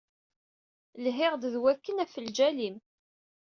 Lhiɣ-d d wakken ɣef lǧal-im.